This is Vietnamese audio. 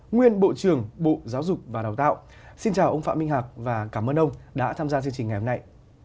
nguyên bộ trưởng bộ giáo dục và đào tạo xin chào ông phạm minh hạc và cảm ơn ông đã tham gia chương trình ngày hôm nay